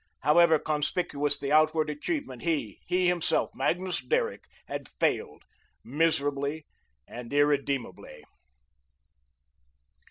However conspicuous the outward achievement, he, he himself, Magnus Derrick, had failed, miserably and irredeemably.